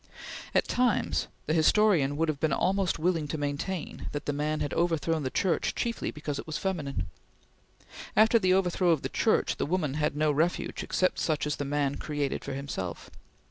At times, the historian would have been almost willing to maintain that the man had overthrown the Church chiefly because it was feminine. After the overthrow of the Church, the woman had no refuge except such as the man created for himself.